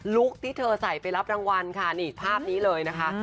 คที่เธอใส่ไปรับรางวัลค่ะนี่ภาพนี้เลยนะคะ